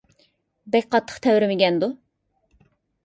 بەك قاتتىق تەۋرىمىگەندۇ؟